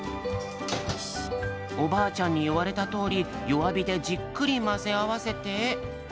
おばあちゃんにいわれたとおりよわびでじっくりまぜあわせて。